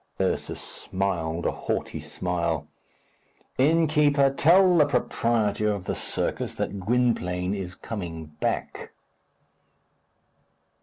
Ursus smiled a haughty smile. "Innkeeper, tell the proprietor of the circus that Gwynplaine is coming back."